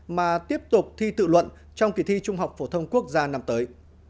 mà tiếp tục thi tự luận trong kỳ thi trung học phổ thông quốc gia năm tới